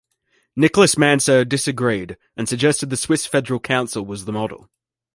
Nicholas Mansergh disagreed and suggested the Swiss Federal Council was the model.